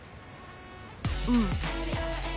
うん。